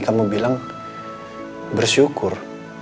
kamu bilang bersyukur